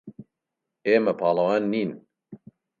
ئێمە پاڵەوان نین.